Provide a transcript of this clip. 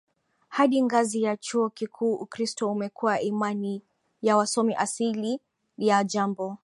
hadi ngazi ya chuo kikuu Ukristo umekuwa imani ya wasomi Asili ya jambo